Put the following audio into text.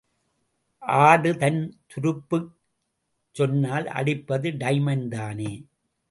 ஆடுதன் துருப்புச் சொன்னால் அடிப்பது டைமன் தானே?